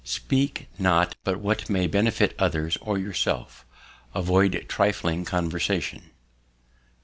Speak not but what may benefit others or yourself; avoid trifling conversation.